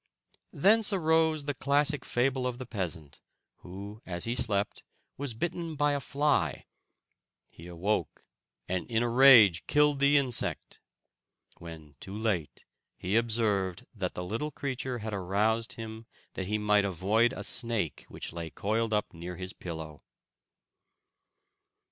Thence arose the classic fable of the peasant, who, as he slept, was bitten by a fly. He awoke, and in a rage killed the insect. When too late, he observed that the little creature had aroused him that he might avoid a snake which lay coiled up near his pillow.